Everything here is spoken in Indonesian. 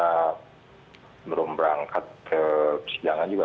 karena belum berangkat ke persidangan juga